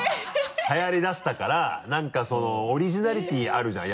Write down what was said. はやりだしたからなんかそのオリジナリティーあるじゃん